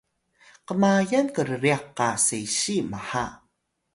kmayal krryax qa sesiy mha